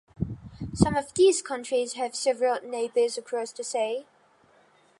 Some of these countries have several neighbours "across the sea".